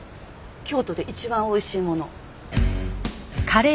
京都で一番美味しいもの。